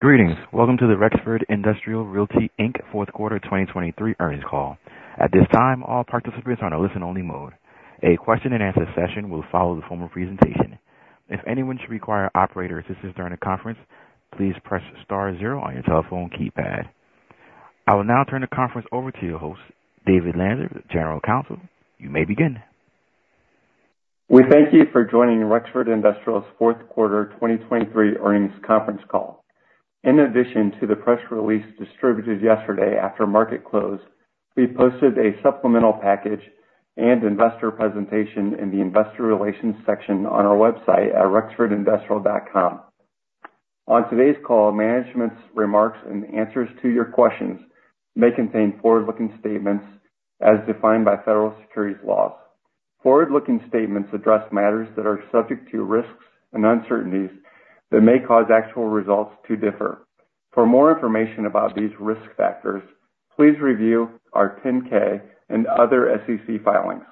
Greetings. Welcome to the Rexford Industrial Realty, Inc. fourth quarter 2023 earnings call. At this time, all participants are in a listen-only mode. A question-and-answer session will follow the formal presentation. If anyone should require operator assistance during the conference, please press star zero on your telephone keypad. I will now turn the conference over to your host, David Lanzer, General Counsel. You may begin. We thank you for joining Rexford Industrial's fourth quarter 2023 earnings conference call. In addition to the press release distributed yesterday after market close, we posted a supplemental package and investor presentation in the investor relations section on our website at rexfordindustrial.com. On today's call, management's remarks and answers to your questions may contain forward-looking statements as defined by federal securities laws. Forward-looking statements address matters that are subject to risks and uncertainties that may cause actual results to differ. For more information about these risk factors, please review our 10-K and other SEC filings.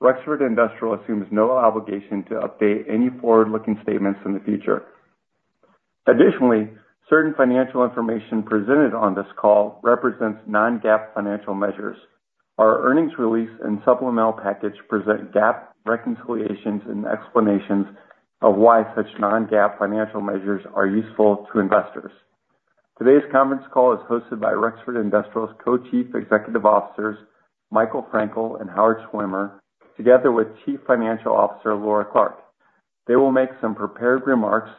Rexford Industrial assumes no obligation to update any forward-looking statements in the future. Additionally, certain financial information presented on this call represents non-GAAP financial measures. Our earnings release and supplemental package present GAAP reconciliations and explanations of why such non-GAAP financial measures are useful to investors. Today's conference call is hosted by Rexford Industrial's Co-Chief Executive Officers, Michael Frankel and Howard Schwimmer, together with Chief Financial Officer, Laura Clark. They will make some prepared remarks,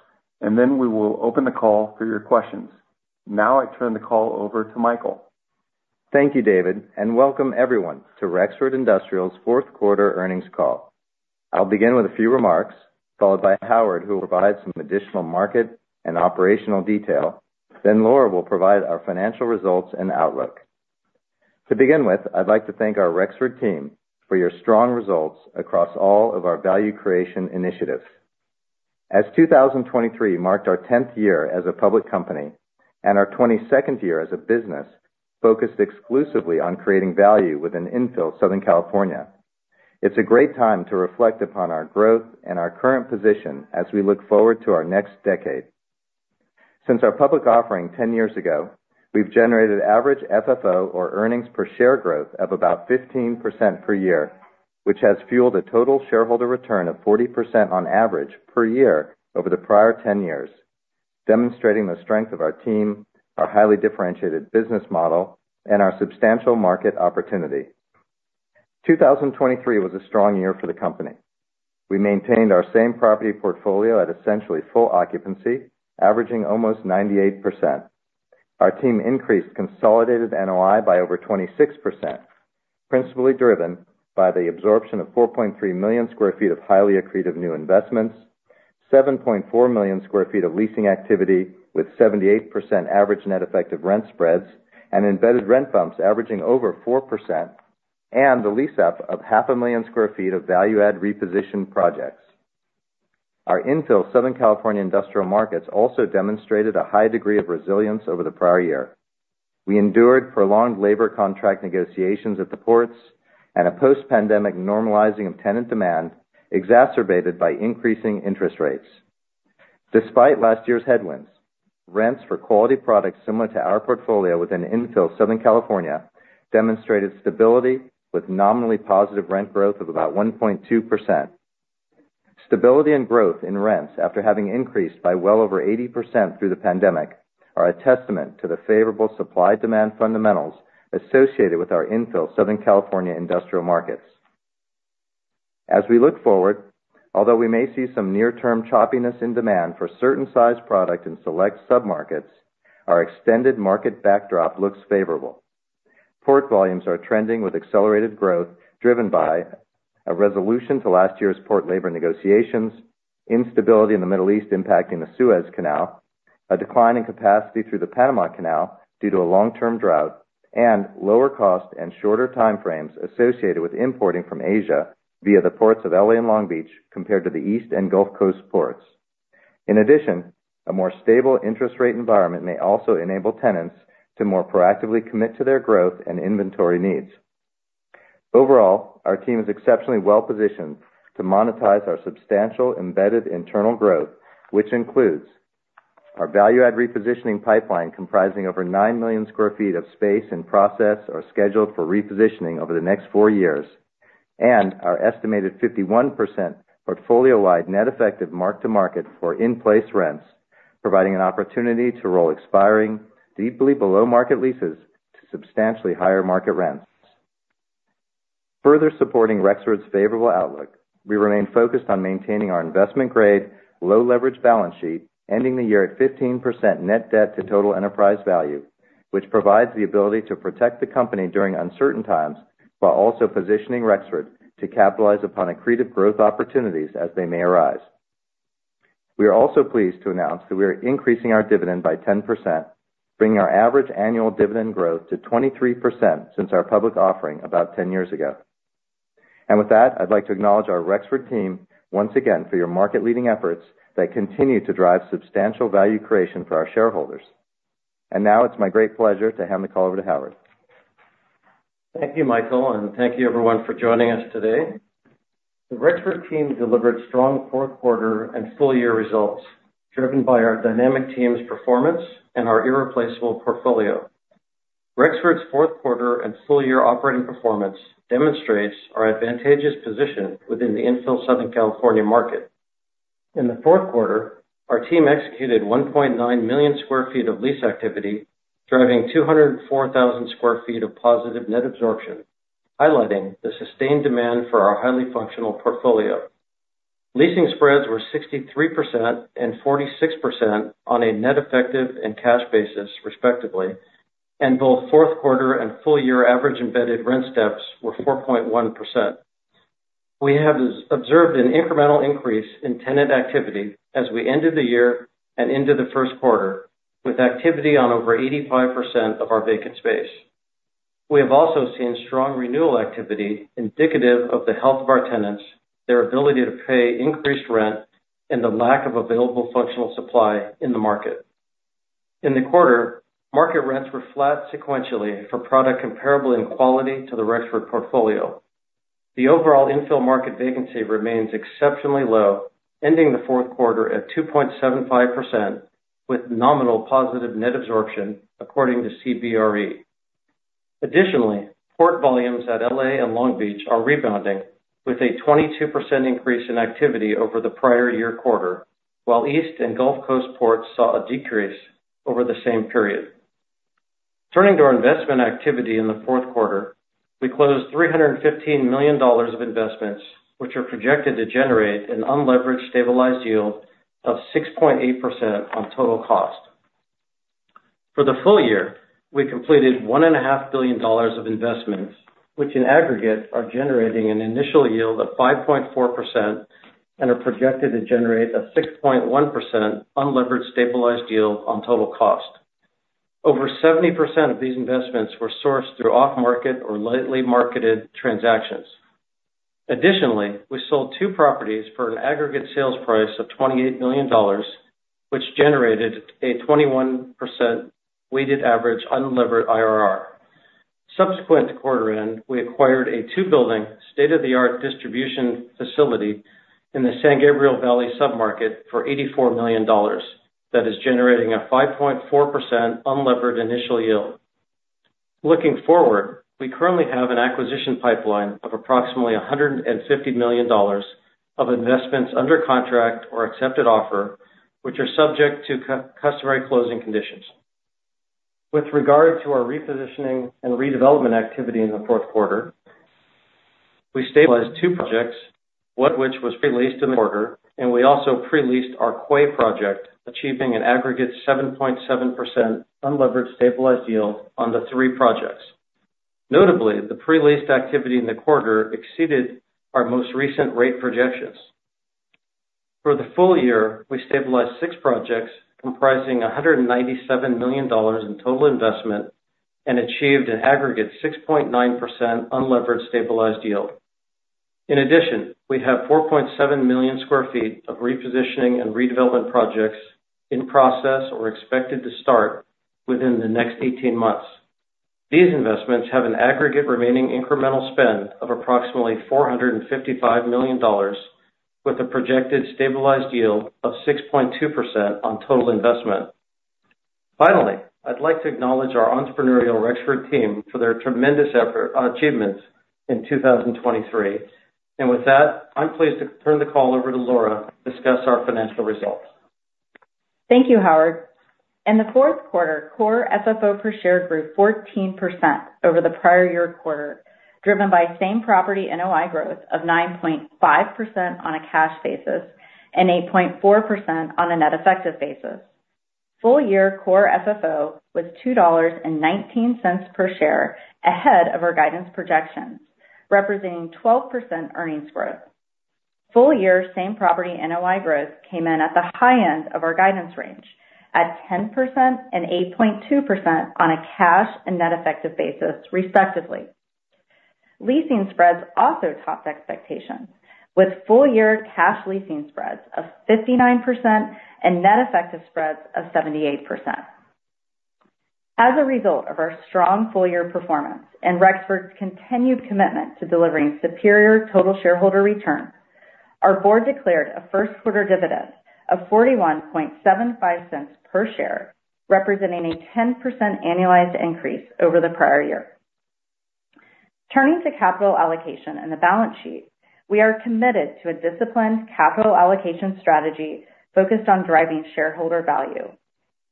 and then we will open the call for your questions. Now I turn the call over to Michael. Thank you, David, and welcome everyone to Rexford Industrial's fourth quarter earnings call. I'll begin with a few remarks, followed by Howard, who will provide some additional market and operational detail. Then Laura will provide our financial results and outlook. To begin with, I'd like to thank our Rexford team for your strong results across all of our value creation initiatives. As 2023 marked our tenth year as a public company and our 22nd year as a business focused exclusively on creating value within infill Southern California, it's a great time to reflect upon our growth and our current position as we look forward to our next decade. Since our public offering 10 years ago, we've generated average FFO or earnings per share growth of about 15% per year, which has fueled a total shareholder return of 40% on average per year over the prior 10 years, demonstrating the strength of our team, our highly differentiated business model, and our substantial market opportunity. 2023 was a strong year for the company. We maintained our same-property portfolio at essentially full occupancy, averaging almost 98%. Our team increased consolidated NOI by over 26%, principally driven by the absorption of 4.3 million sq ft of highly accretive new investments, 7.4 million sq ft of leasing activity with 78% average net effective rent spreads and embedded rent bumps averaging over 4%, and the lease-up of 0.5 million sq ft of value-add reposition projects. Our infill Southern California industrial markets also demonstrated a high degree of resilience over the prior year. We endured prolonged labor contract negotiations at the ports and a post-pandemic normalizing of tenant demand, exacerbated by increasing interest rates. Despite last year's headwinds, rents for quality products similar to our portfolio within infill Southern California demonstrated stability with nominally positive rent growth of about 1.2%. Stability and growth in rents, after having increased by well over 80% through the pandemic, are a testament to the favorable supply-demand fundamentals associated with our infill Southern California industrial markets. As we look forward, although we may see some near-term choppiness in demand for certain size product in select submarkets, our extended market backdrop looks favorable. Port volumes are trending with accelerated growth, driven by a resolution to last year's port labor negotiations, instability in the Middle East impacting the Suez Canal, a decline in capacity through the Panama Canal due to a long-term drought, and lower cost and shorter time frames associated with importing from Asia via the ports of LA and Long Beach compared to the East and Gulf Coast ports. In addition, a more stable interest rate environment may also enable tenants to more proactively commit to their growth and inventory needs. Overall, our team is exceptionally well positioned to monetize our substantial embedded internal growth, which includes our value add repositioning pipeline, comprising over 9 million sq ft of space in process or scheduled for repositioning over the next four years, and our estimated 51% portfolio-wide net effective mark-to-market for in-place rents, providing an opportunity to roll expiring deeply below market leases to substantially higher market rents. Further supporting Rexford's favorable outlook, we remain focused on maintaining our investment grade, low leverage balance sheet, ending the year at 15% net debt to total enterprise value, which provides the ability to protect the company during uncertain times, while also positioning Rexford to capitalize upon accretive growth opportunities as they may arise. We are also pleased to announce that we are increasing our dividend by 10%, bringing our average annual dividend growth to 23% since our public offering about 10 years ago. With that, I'd like to acknowledge our Rexford team once again for your market leading efforts that continue to drive substantial value creation for our shareholders. Now it's my great pleasure to hand the call over to Howard. Thank you, Michael, and thank you everyone for joining us today. The Rexford team delivered strong fourth quarter and full year results, driven by our dynamic team's performance and our irreplaceable portfolio. Rexford's fourth quarter and full year operating performance demonstrates our advantageous position within the infill Southern California market. In the fourth quarter, our team executed 1.9 million sq ft of lease activity, driving 204,000 sq ft of positive net absorption, highlighting the sustained demand for our highly functional portfolio. Leasing spreads were 63% and 46% on a net effective and cash basis, respectively, and both fourth quarter and full year average embedded rent steps were 4.1%. We have observed an incremental increase in tenant activity as we ended the year and into the first quarter, with activity on over 85% of our vacant space. We have also seen strong renewal activity indicative of the health of our tenants, their ability to pay increased rent, and the lack of available functional supply in the market. In the quarter, market rents were flat sequentially for product comparable in quality to the Rexford portfolio. The overall infill market vacancy remains exceptionally low, ending the fourth quarter at 2.75%, with nominal positive net absorption, according to CBRE. Additionally, port volumes at LA and Long Beach are rebounding with a 22% increase in activity over the prior year quarter, while East and Gulf Coast ports saw a decrease over the same period. Turning to our investment activity in the fourth quarter, we closed $315 million of investments, which are projected to generate an unlevered stabilized yield of 6.8% on total cost. For the full year, we completed $1.5 billion of investments, which in aggregate, are generating an initial yield of 5.4% and are projected to generate a 6.1% unlevered stabilized yield on total cost. Over 70% of these investments were sourced through off-market or lightly marketed transactions. Additionally, we sold two properties for an aggregate sales price of $28 million, which generated a 21% weighted average unlevered IRR. Subsequent to quarter end, we acquired a two-building, state-of-the-art distribution facility in the San Gabriel Valley submarket for $84 million. That is generating a 5.4% unlevered initial yield. Looking forward, we currently have an acquisition pipeline of approximately $150 million of investments under contract or accepted offer, which are subject to customary closing conditions. With regard to our repositioning and redevelopment activity in the fourth quarter, we stabilized two projects, one of which was pre-leased in the quarter, and we also pre-leased our Quay project, achieving an aggregate 7.7% unlevered stabilized yield on the three projects. Notably, the pre-leased activity in the quarter exceeded our most recent rate projections. For the full year, we stabilized six projects comprising $197 million in total investment and achieved an aggregate 6.9% unlevered stabilized yield. In addition, we have 4.7 million sq ft of repositioning and redevelopment projects in process or expected to start within the next eighteen months. These investments have an aggregate remaining incremental spend of approximately $455 million, with a projected stabilized yield of 6.2% on total investment. Finally, I'd like to acknowledge our entrepreneurial Rexford team for their tremendous effort, achievements in 2023. With that, I'm pleased to turn the call over to Laura to discuss our financial results. Thank you, Howard. In the fourth quarter, Core FFO per share grew 14% over the prior year quarter, driven by same-property NOI growth of 9.5% on a cash basis and 8.4% on a net effective basis. Full year Core FFO was $2.19 per share, ahead of our guidance projections, representing 12% earnings growth. Full year same-property NOI growth came in at the high end of our guidance range, at 10% and 8.2% on a cash and net effective basis, respectively. Leasing spreads also topped expectations, with full year cash leasing spreads of 59% and net effective spreads of 78%. As a result of our strong full-year performance and Rexford's continued commitment to delivering superior total shareholder returns, our board declared a first quarter dividend of $0.4175 per share, representing a 10% annualized increase over the prior year. Turning to capital allocation and the balance sheet, we are committed to a disciplined capital allocation strategy focused on driving shareholder value,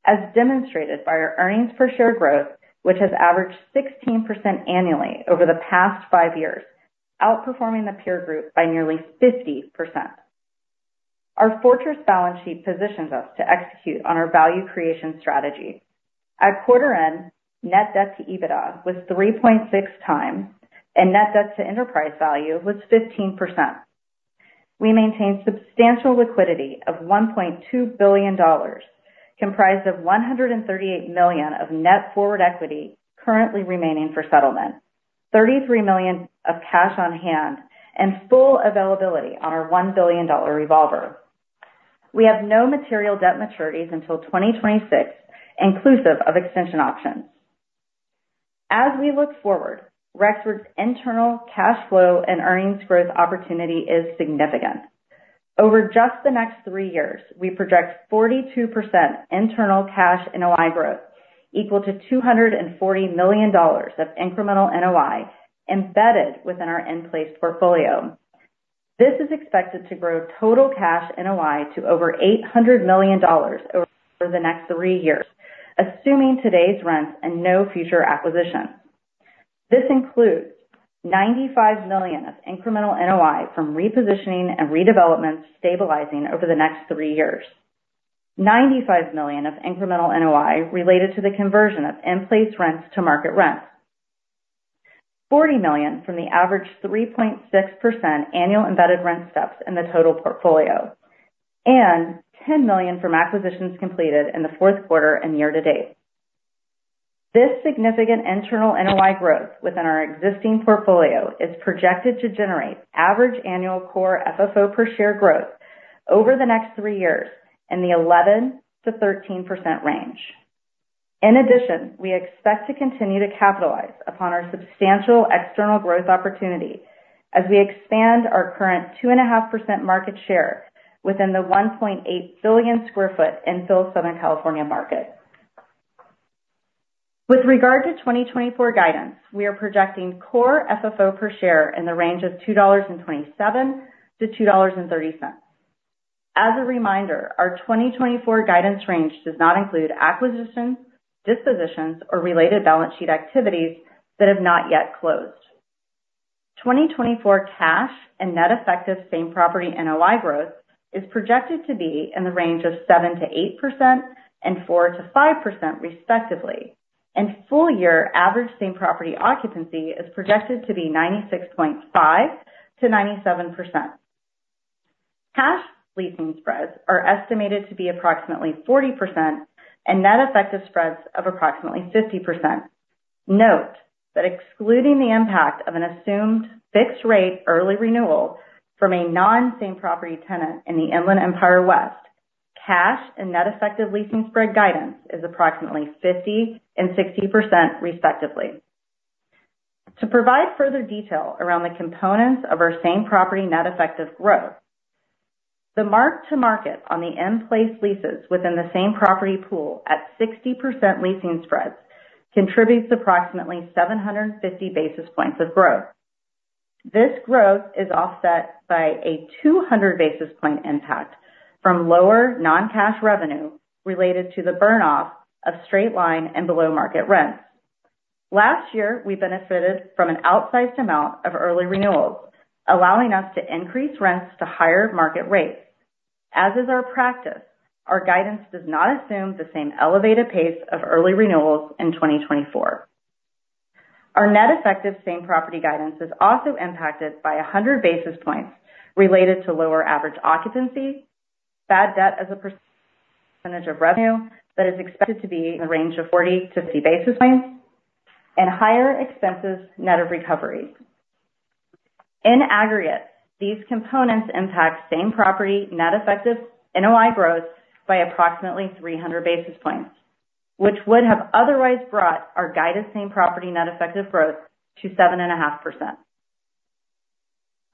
as demonstrated by our earnings per share growth, which has averaged 16% annually over the past 5 years, outperforming the peer group by nearly 50%. Our fortress balance sheet positions us to execute on our value creation strategy. At quarter end, net debt to EBITDA was 3.6 times, and net debt to enterprise value was 15%. We maintained substantial liquidity of $1.2 billion, comprised of $138 million of net forward equity currently remaining for settlement, $33 million of cash on hand, and full availability on our $1 billion revolver. We have no material debt maturities until 2026, inclusive of extension options. As we look forward, Rexford's internal cash flow and earnings growth opportunity is significant. Over just the next three years, we project 42% internal cash NOI growth, equal to $240 million of incremental NOI embedded within our in-place portfolio. This is expected to grow total cash NOI to over $800 million over the next three years, assuming today's rents and no future acquisitions. This includes $95 million of incremental NOI from repositioning and redevelopment, stabilizing over the next three years. $95 million of incremental NOI related to the conversion of in-place rents to market rents. $40 million from the average 3.6% annual embedded rent steps in the total portfolio, and $10 million from acquisitions completed in the fourth quarter and year to date. This significant internal NOI growth within our existing portfolio is projected to generate average annual core FFO per share growth over the next three years in the 11%-13% range. In addition, we expect to continue to capitalize upon our substantial external growth opportunity as we expand our current 2.5% market share within the 1.8 billion sq ft infill Southern California market. With regard to 2024 guidance, we are projecting core FFO per share in the range of $2.27-$2.30. As a reminder, our 2024 guidance range does not include acquisitions, dispositions, or related balance sheet activities that have not yet closed. 2024 cash and net effective same property NOI growth is projected to be in the range of 7% to 8% and 4% to 5% respectively, and full year average same property occupancy is projected to be 96.5% to 97%. Cash leasing spreads are estimated to be approximately 40% and net effective spreads of approximately 50%. Note that excluding the impact of an assumed fixed rate early renewal from a non-same property tenant in the Inland Empire West, cash and net effective leasing spread guidance is approximately 50% and 60% respectively. To provide further detail around the components of our same property net effective growth, the mark-to-market on the in-place leases within the same property pool at 60% leasing spreads contributes approximately 750 basis points of growth. This growth is offset by a 200 basis point impact from lower non-cash revenue related to the burn off of straight-line and below-market rents. Last year, we benefited from an outsized amount of early renewals, allowing us to increase rents to higher market rates. As is our practice, our guidance does not assume the same elevated pace of early renewals in 2024. Our net effective same property guidance is also impacted by 100 basis points related to lower average occupancy, bad debt as a percentage of revenue that is expected to be in the range of 40-50 basis points, and higher expenses net of recovery. In aggregate, these components impact same property net effective NOI growth by approximately 300 basis points, which would have otherwise brought our guided same property net effective growth to 7.5%.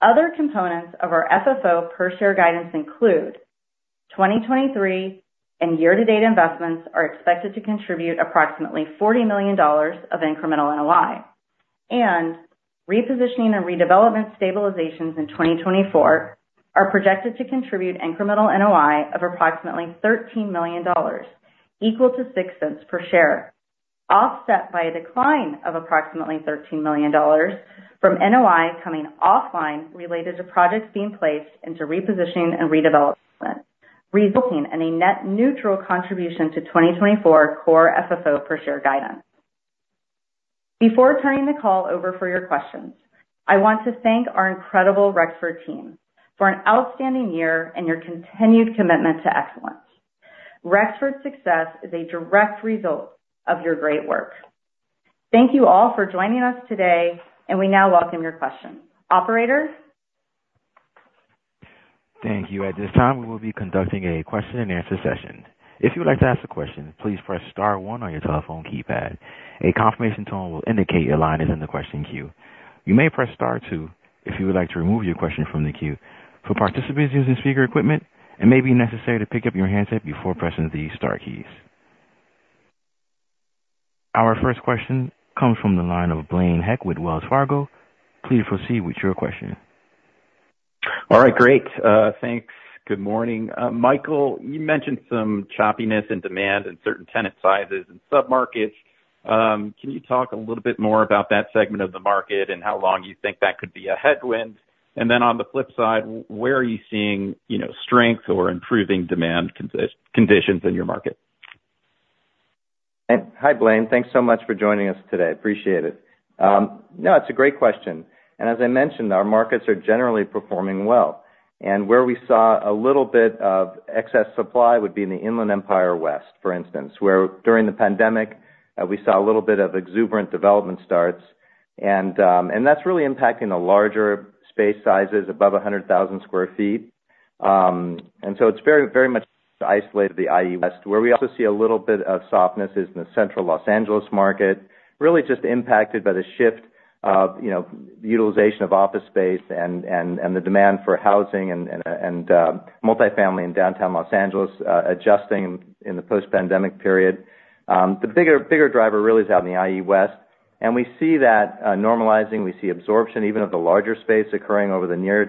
Other components of our FFO per share guidance include: 2023 and year-to-date investments are expected to contribute approximately $40 million of incremental NOI, and repositioning and redevelopment stabilizations in 2024 are projected to contribute incremental NOI of approximately $13 million, equal to $0.06 per share, offset by a decline of approximately $13 million from NOI coming offline related to projects being placed into repositioning and redevelopment, resulting in a net neutral contribution to 2024 core FFO per share guidance. Before turning the call over for your questions, I want to thank our incredible Rexford team for an outstanding year and your continued commitment to excellence. Rexford's success is a direct result of your great work. Thank you all for joining us today, and we now welcome your questions. Operator? Thank you. At this time, we will be conducting a question-and-answer session. If you would like to ask a question, please press star one on your telephone keypad. A confirmation tone will indicate your line is in the question queue. You may press star two if you would like to remove your question from the queue. For participants using speaker equipment, it may be necessary to pick up your handset before pressing the star keys. Our first question comes from the line of Blaine Heck with Wells Fargo. Please proceed with your question. All right, great. Thanks. Good morning. Michael, you mentioned some choppiness in demand in certain tenant sizes and submarkets. Can you talk a little bit more about that segment of the market and how long you think that could be a headwind? And then on the flip side, where are you seeing, you know, strength or improving demand conditions in your market? Hi, Blaine. Thanks so much for joining us today. Appreciate it. No, it's a great question, and as I mentioned, our markets are generally performing well, and where we saw a little bit of excess supply would be in the Inland Empire West, for instance, where during the pandemic, we saw a little bit of exuberant development starts. And that's really impacting the larger space sizes above 100,000 sq ft. And so it's very, very much isolated to the IE West, where we also see a little bit of softness is in the Central Los Angeles market, really just impacted by the shift of, you know, utilization of office space and the demand for housing and multifamily in downtown Los Angeles, adjusting in the post-pandemic period. The bigger, bigger driver really is out in the IE West, and we see that normalizing. We see absorption even of the larger space occurring over the near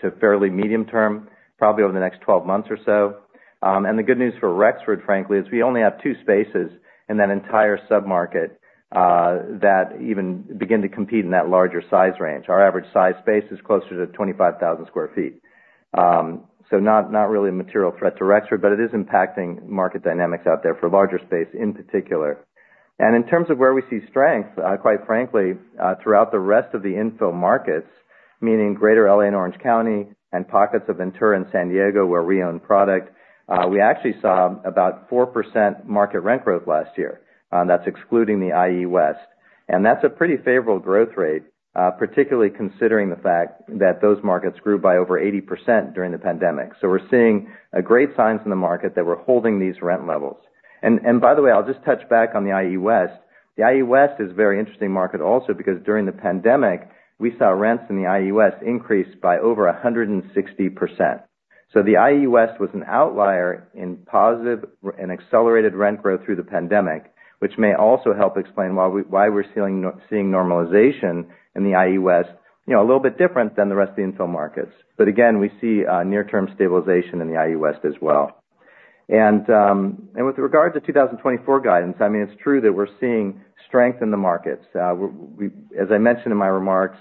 to fairly medium term, probably over the next 12 months or so. And the good news for Rexford, frankly, is we only have 2 spaces in that entire submarket that even begin to compete in that larger size range. Our average size space is closer to 25,000 sq ft. So not really a material threat to Rexford, but it is impacting market dynamics out there for larger space in particular. In terms of where we see strength, quite frankly, throughout the rest of the infill markets, meaning Greater LA and Orange County and pockets of Ventura and San Diego, where we own product, we actually saw about 4% market rent growth last year, and that's excluding the IE West. That's a pretty favorable growth rate, particularly considering the fact that those markets grew by over 80% during the pandemic. So we're seeing great signs in the market that we're holding these rent levels. And by the way, I'll just touch back on the IE West. The IE West is a very interesting market also because during the pandemic, we saw rents in the IE West increase by over 160%. So the IE West was an outlier in positive rent and accelerated rent growth through the pandemic, which may also help explain why we're seeing normalization in the IE West, you know, a little bit different than the rest of the infill markets. But again, we see near-term stabilization in the IE West as well. And with regards to 2024 guidance, I mean, it's true that we're seeing strength in the markets. We, as I mentioned in my remarks,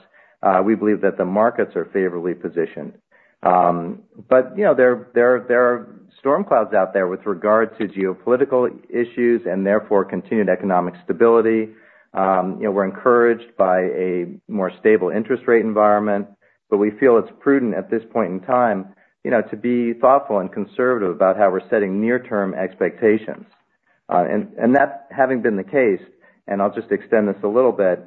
we believe that the markets are favorably positioned. But, you know, there are storm clouds out there with regard to geopolitical issues and therefore continued economic stability. You know, we're encouraged by a more stable interest rate environment, but we feel it's prudent at this point in time, you know, to be thoughtful and conservative about how we're setting near-term expectations. And that having been the case, and I'll just extend this a little bit,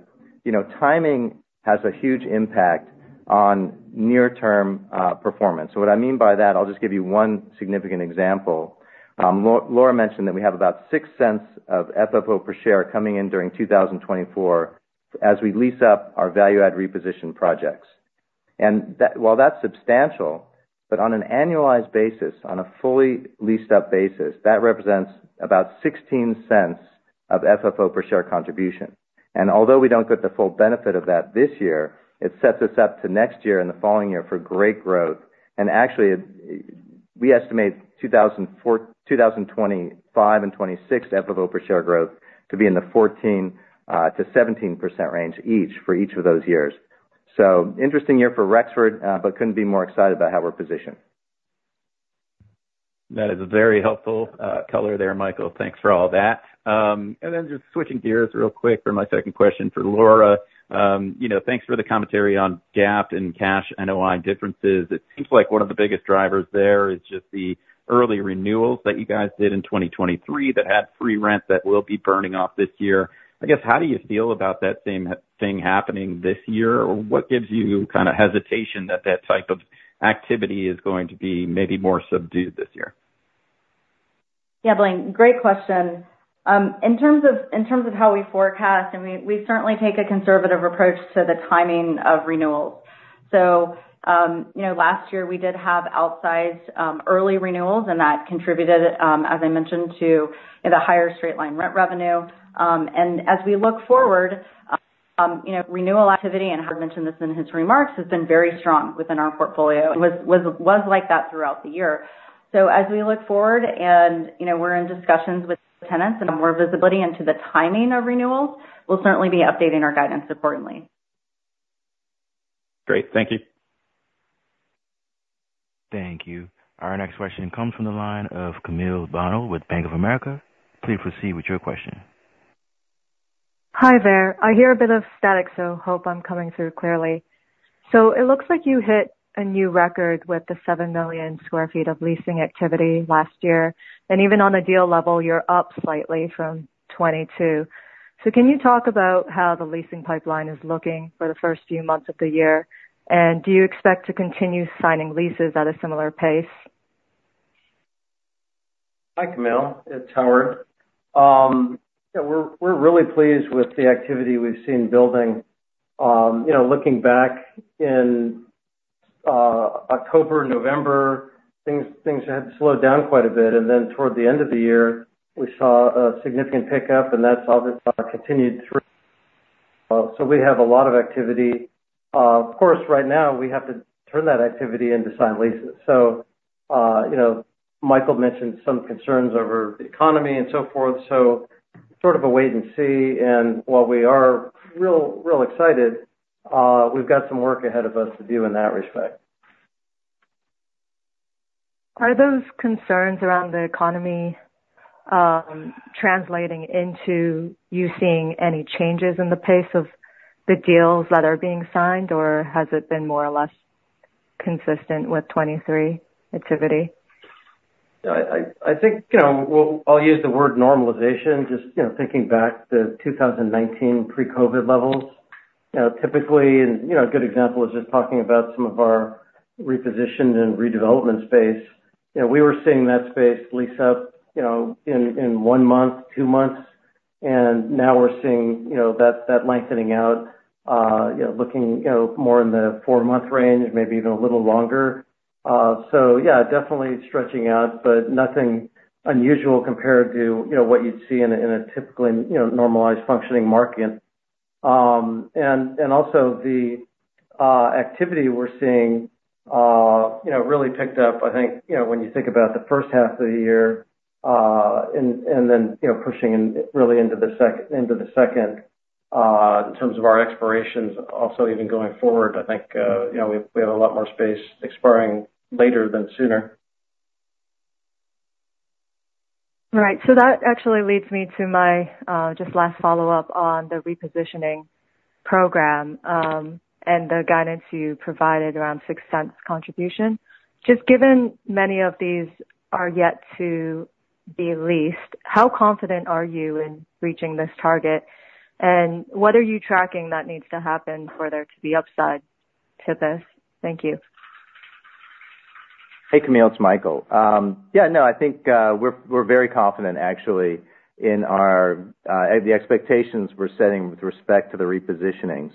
you know, timing has a huge impact on near-term performance. So what I mean by that, I'll just give you one significant example. Laura mentioned that we have about $0.06 of FFO per share coming in during 2024, as we lease up our value add reposition projects. And that... While that's substantial, but on an annualized basis, on a fully leased-up basis, that represents about $0.16 of FFO per share contribution. Although we don't get the full benefit of that this year, it sets us up to next year and the following year for great growth. Actually, it, we estimate 2025 and 2026 FFO per share growth to be in the 14%-17% range each, for each of those years. Interesting year for Rexford, but couldn't be more excited about how we're positioned. That is a very helpful color there, Michael. Thanks for all that. And then just switching gears real quick for my second question for Laura. You know, thanks for the commentary on GAAP and cash NOI differences. It seems like one of the biggest drivers there is just the early renewals that you guys did in 2023, that had free rent that will be burning off this year. I guess, how do you feel about that same thing happening this year? Or what gives you kind of hesitation that that type of activity is going to be maybe more subdued this year? Yeah, Blaine, great question. In terms of how we forecast, and we certainly take a conservative approach to the timing of renewals. So, you know, last year we did have outsized early renewals, and that contributed, as I mentioned, to the higher straight line rent revenue. And as we look forward, you know, renewal activity, and Howard mentioned this in his remarks, has been very strong within our portfolio and was like that throughout the year. So as we look forward and, you know, we're in discussions with tenants and more visibility into the timing of renewals, we'll certainly be updating our guidance accordingly. Great. Thank you. Thank you. Our next question comes from the line of Camille Bonnel with Bank of America. Please proceed with your question. Hi there. I hear a bit of static, so hope I'm coming through clearly. So it looks like you hit a new record with the 7 million sq ft of leasing activity last year, and even on a deal level, you're up slightly from 22. So can you talk about how the leasing pipeline is looking for the first few months of the year? And do you expect to continue signing leases at a similar pace? Hi, Camille, it's Howard. Yeah, we're really pleased with the activity we've seen building. You know, looking back in October, November, things had slowed down quite a bit, and then toward the end of the year, we saw a significant pickup, and that's obviously continued through. So we have a lot of activity. Of course, right now, we have to turn that activity into signed leases. So, you know, Michael mentioned some concerns over the economy and so forth, so sort of a wait and see. And while we are real excited, we've got some work ahead of us to do in that respect. Are those concerns around the economy, translating into you seeing any changes in the pace of the deals that are being signed, or has it been more or less consistent with 2023 activity?... I think, you know, I'll use the word normalization, just, you know, thinking back to 2019 pre-COVID levels. You know, typically, and, you know, a good example is just talking about some of our repositioned and redevelopment space. You know, we were seeing that space lease up, you know, in one month, two months, and now we're seeing, you know, that lengthening out, you know, looking, you know, more in the four-month range, maybe even a little longer. So yeah, definitely stretching out, but nothing unusual compared to, you know, what you'd see in a typically, you know, normalized functioning market. And also the activity we're seeing, you know, really picked up, I think, you know, when you think about the first half of the year, and then, you know, pushing in really into the second in terms of our expirations. Also, even going forward, I think, you know, we have a lot more space expiring later than sooner. Right. So that actually leads me to my just last follow-up on the repositioning program, and the guidance you provided around $0.06 contribution. Just given many of these are yet to be leased, how confident are you in reaching this target? And what are you tracking that needs to happen for there to be upside to this? Thank you. Hey, Camille, it's Michael. Yeah, no, I think we're very confident actually in our the expectations we're setting with respect to the repositionings.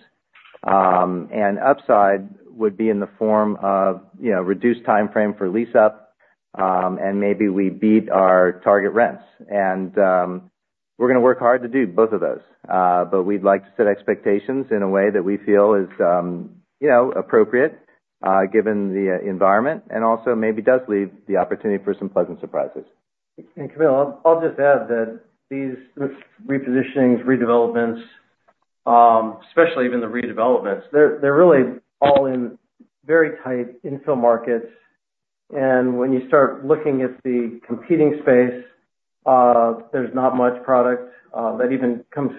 And upside would be in the form of, you know, reduced timeframe for lease-up, and maybe we beat our target rents. And we're gonna work hard to do both of those. But we'd like to set expectations in a way that we feel is, you know, appropriate, given the environment, and also maybe does leave the opportunity for some pleasant surprises. And Camille, I'll just add that these repositionings, redevelopments, especially even the redevelopments, they're really all in very tight infill markets. And when you start looking at the competing space, there's not much product that even comes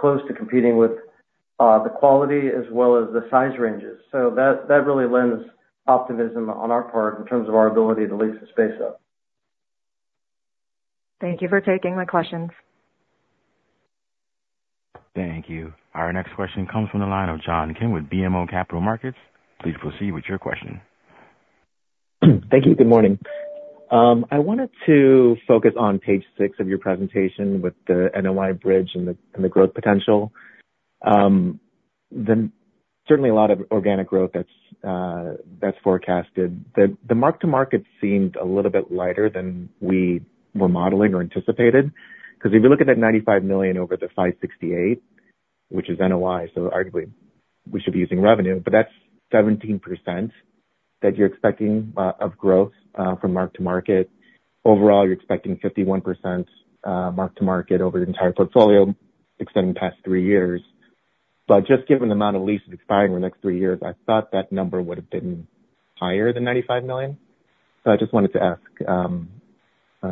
close to competing with the quality as well as the size ranges. So that really lends optimism on our part in terms of our ability to lease the space up. Thank you for taking my questions. Thank you. Our next question comes from the line of John Kim with BMO Capital Markets. Please proceed with your question. Thank you. Good morning. I wanted to focus on page 6 of your presentation with the NOI bridge and the growth potential. Then certainly a lot of organic growth that's forecasted. The mark-to-market seemed a little bit lighter than we were modeling or anticipated, because if you look at that $95 million over the $568, which is NOI, so arguably we should be using revenue, but that's 17% that you're expecting of growth from mark-to-market. Overall, you're expecting 51% mark-to-market over the entire portfolio extending past 3 years. But just given the amount of leases expiring in the next 3 years, I thought that number would have been higher than $95 million. So I just wanted to ask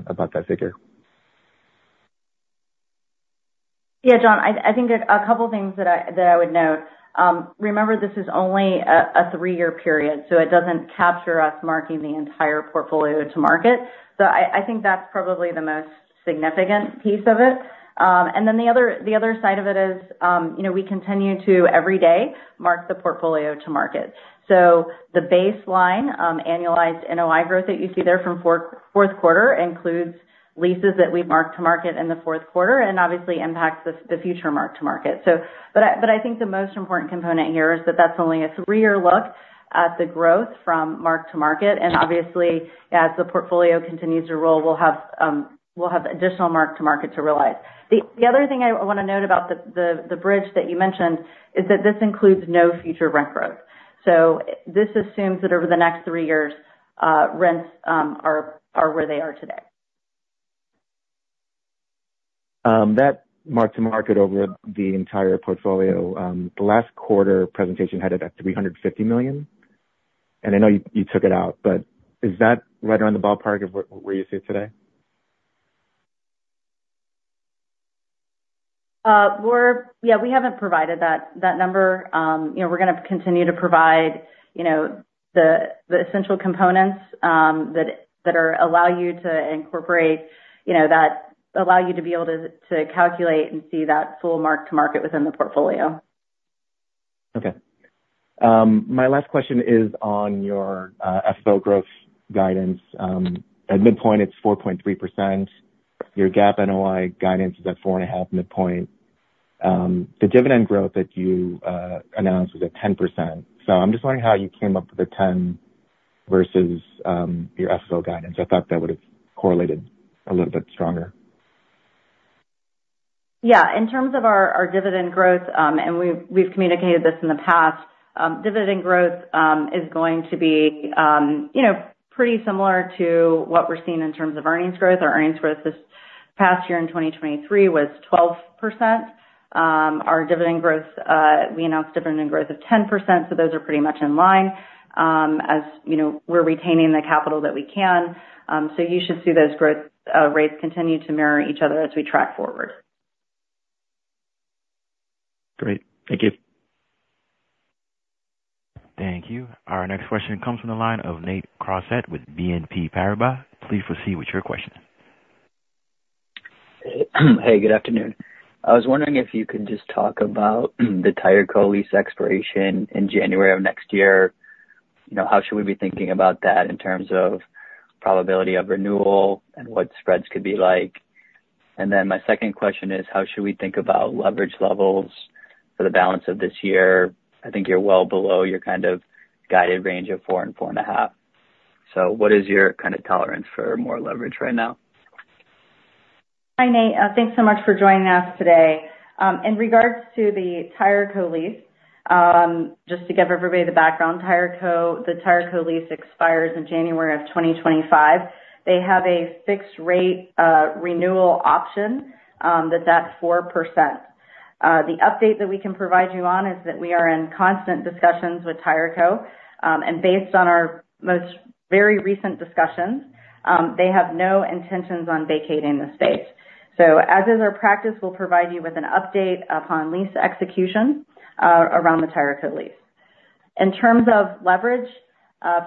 about that figure. Yeah, John, I think there's a couple of things that I would note. Remember, this is only a three-year period, so it doesn't capture us marking the entire portfolio to market. So I think that's probably the most significant piece of it. And then the other side of it is, you know, we continue to every day mark the portfolio to market. So the baseline annualized NOI growth that you see there from fourth quarter includes leases that we marked to market in the fourth quarter, and obviously impacts the future mark to market. But I think the most important component here is that that's only a three-year look at the growth from mark-to-market, and obviously, as the portfolio continues to roll, we'll have additional mark-to-market to realize. The other thing I want to note about the bridge that you mentioned is that this includes no future rent growth. This assumes that over the next three years, rents are where they are today. That mark-to-market over the entire portfolio, the last quarter presentation had it at $350 million. And I know you, you took it out, but is that right around the ballpark of what, where you see it today? Yeah, we haven't provided that number. You know, we're gonna continue to provide, you know, the essential components that allow you to incorporate, you know, that allow you to be able to calculate and see that full mark-to-market within the portfolio. Okay. My last question is on your FFO growth guidance. At midpoint, it's 4.3%. Your GAAP NOI guidance is at 4.5 midpoint. The dividend growth that you announced was at 10%. So I'm just wondering how you came up with the 10 versus your FFO guidance. I thought that would've correlated a little bit stronger. Yeah. In terms of our dividend growth, and we've communicated this in the past, dividend growth is going to be, you know, pretty similar to what we're seeing in terms of earnings growth. Our earnings growth this past year in 2023 was 12%. Our dividend growth, we announced dividend growth of 10%, so those are pretty much in line. As you know, we're retaining the capital that we can, so you should see those growth rates continue to mirror each other as we track forward.... Great. Thank you. Thank you. Our next question comes from the line of Nate Crossett with BNP Paribas. Please proceed with your question. Hey, good afternoon. I was wondering if you could just talk about the Tireco lease expiration in January of next year. You know, how should we be thinking about that in terms of probability of renewal and what spreads could be like? And then my second question is, how should we think about leverage levels for the balance of this year? I think you're well below your kind of guided range of 4-4.5. So what is your kind of tolerance for more leverage right now? Hi, Nate. Thanks so much for joining us today. In regards to the Tireco lease, just to give everybody the background, Tireco, the Tireco lease expires in January 2025. They have a fixed rate, renewal option, that that's 4%. The update that we can provide you on is that we are in constant discussions with Tireco. And based on our most very recent discussions, they have no intentions on vacating the space. So as is our practice, we'll provide you with an update upon lease execution, around the Tireco lease. In terms of leverage,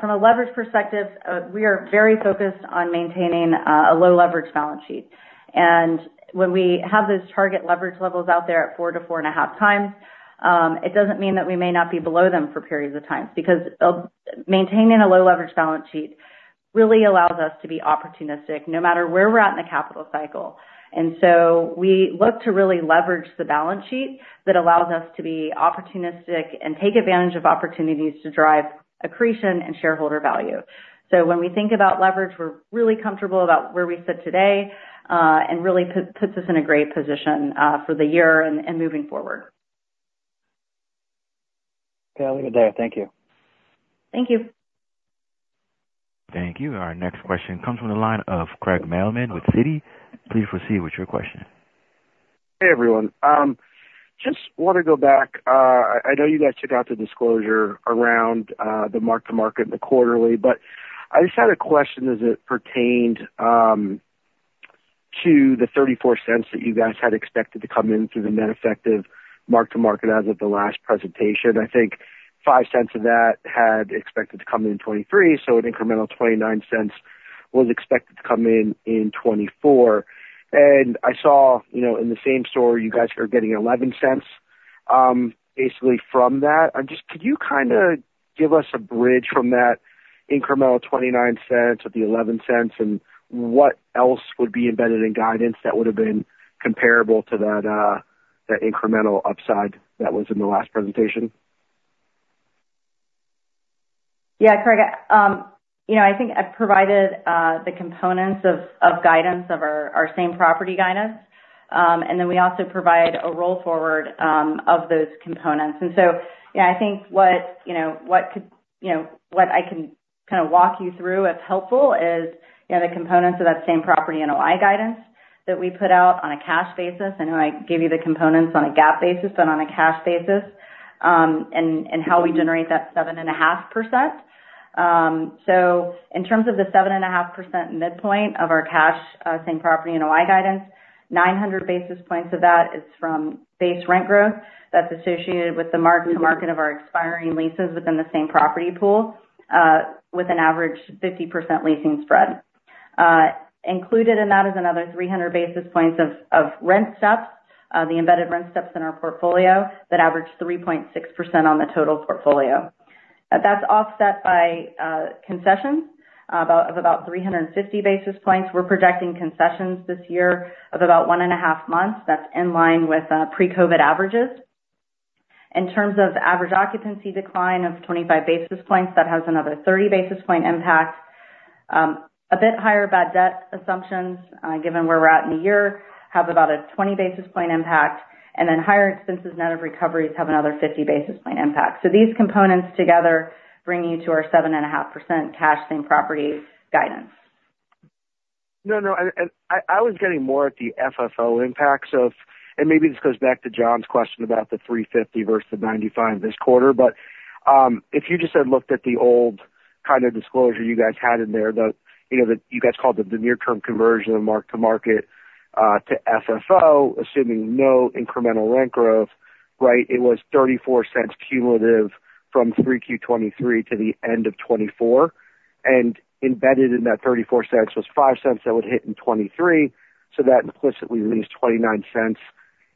from a leverage perspective, we are very focused on maintaining, a low leverage balance sheet. When we have those target leverage levels out there at 4-4.5x, it doesn't mean that we may not be below them for periods of time, because maintaining a low leverage balance sheet really allows us to be opportunistic, no matter where we're at in the capital cycle. So we look to really leverage the balance sheet that allows us to be opportunistic and take advantage of opportunities to drive accretion and shareholder value. So when we think about leverage, we're really comfortable about where we sit today, and really puts us in a great position, for the year and moving forward. Okay, I'll leave it there. Thank you. Thank you. Thank you. Our next question comes from the line of Craig Mailman with Citi. Please proceed with your question. Hey, everyone. Just want to go back. I know you guys took out the disclosure around the mark-to-market and the quarterly, but I just had a question as it pertained to the $0.34 that you guys had expected to come in through the net effective mark-to-market as of the last presentation. I think $0.05 of that had expected to come in 2023, so an incremental $0.29 was expected to come in in 2024. And I saw, you know, in the same store, you guys are getting $0.11, basically from that. I'm just- could you kind of give us a bridge from that incremental $0.29 or the $0.11, and what else would be embedded in guidance that would have been comparable to that, that incremental upside that was in the last presentation? Yeah, Craig, you know, I think I've provided the components of our same-property NOI guidance. And then we also provide a roll forward of those components. And so, yeah, I think what I can kind of walk you through that's helpful is, you know, the components of that same-property NOI guidance that we put out on a cash basis. I know I gave you the components on a GAAP basis and on a cash basis, and how we generate that 7.5%. So in terms of the 7.5% midpoint of our cash same property NOI guidance, 900 basis points of that is from base rent growth that's associated with the mark-to-market of our expiring leases within the same property pool with an average 50% leasing spread. Included in that is another 300 basis points of rent steps, the embedded rent steps in our portfolio, that average 3.6% on the total portfolio. That's offset by concessions of about 350 basis points. We're projecting concessions this year of about 1.5 months. That's in line with pre-COVID averages. In terms of average occupancy decline of 25 basis points, that has another 30 basis point impact. A bit higher bad debt assumptions, given where we're at in the year, have about a 20 basis point impact, and then higher expenses net of recoveries have another 50 basis point impact. So these components together bring you to our 7.5% cash same property guidance. No, no, and I was getting more at the FFO impacts of... And maybe this goes back to John's question about the $3.50 versus the $0.95 this quarter. But if you just had looked at the old kind of disclosure you guys had in there, you know, you guys called it the near-term conversion of mark-to-market to FFO, assuming no incremental rent growth, right? It was $0.34 cumulative from 3Q 2023 to the end of 2024, and embedded in that $0.34 was $0.05 that would hit in 2023, so that implicitly released $0.29